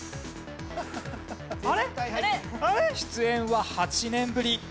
出演は８年ぶり。